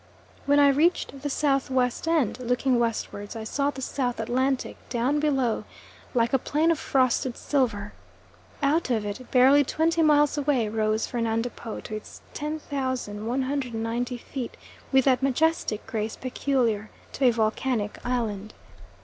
When I reached the S.W. end, looking westwards I saw the South Atlantic down below, like a plain of frosted silver. Out of it, barely twenty miles away, rose Fernando Po to its 10,190 feet with that majestic grace peculiar to a volcanic island.